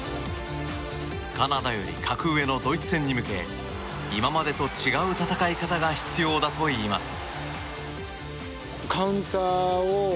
カナダより格上のドイツ戦に向け今までと違う戦い方が必要だといいます。